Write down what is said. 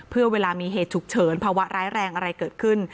เพื่อเวลามีเหตุฉุกเฉินภาวะร้ายแรงอะไรเกิดขึ้น